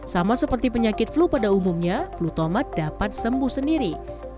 sama seperti penyakit flu pada umumnya flu tomat dapat sembuh sendiri